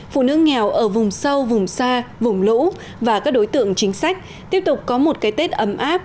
phụ nữ nghèo ở vùng sâu vùng xa vùng lũ và các đối tượng chính sách tiếp tục có một cái tết ấm áp